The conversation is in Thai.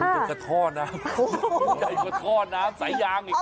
มันมากกว่าท่อน้ำไปให้ท่อน้ำใสไยว้างอีก